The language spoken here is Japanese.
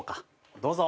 どうぞ。